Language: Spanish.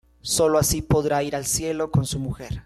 Sólo así podrá ir al cielo con su mujer.